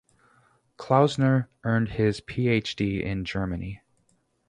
Klausner earned his Ph.D. in Germany.